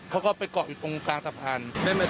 เขาก็ไปเกาะอยู่ตรงกลางสะพาน